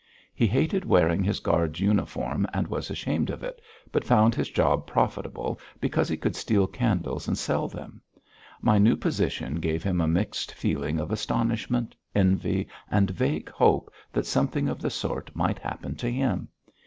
He hated wearing his guard's uniform and was ashamed of it, but found his job profitable because he could steal candles and sell them. My new position gave him a mixed feeling of astonishment, envy, and vague hope that something of the sort might happen to him.